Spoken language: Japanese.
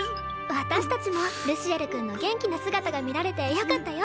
私達もルシエル君の元気な姿が見られてよかったよ